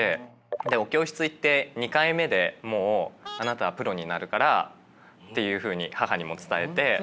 でお教室行って２回目でもう「あなたはプロになるから」っていうふうに母にも伝えて。